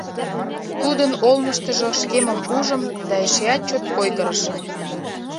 Тудын олмыштыжо шкемым ужым да эшеат чот ойгырышым.